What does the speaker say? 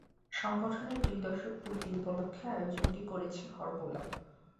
সংগঠনের দুই দশক পূর্তি উপলক্ষে আয়োজনটি করেছে হরবোলা।